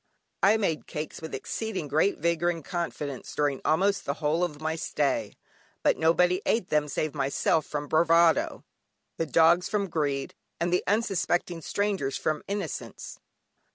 I made cakes with exceeding great vigour and confidence during almost the whole of my stay, but nobody ate them save myself from bravado, the dogs from greed, and unsuspecting strangers from innocence.